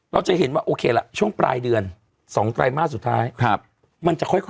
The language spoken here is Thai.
เราจะเห็นว่าโอเคล่ะช่วงปลายเดือนสองไตรมาสสุดท้าย